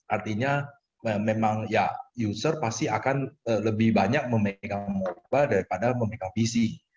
artinya memang ya user pasti akan lebih banyak memegang mobile daripada memegang pc